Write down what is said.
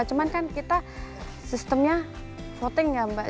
cuman kan kita sistemnya voting ya mbak